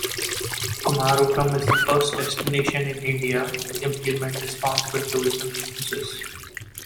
Kumarakom is the first destination in India to Implement Responsible Tourism practices.